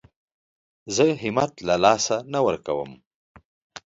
زه همت له لاسه نه ورکوم.